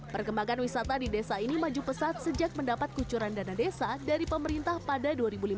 perkembangan wisata di desa ini maju pesat sejak mendapat kucuran dana desa dari pemerintah pada dua ribu lima belas